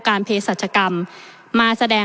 ประเทศอื่นซื้อในราคาประเทศอื่น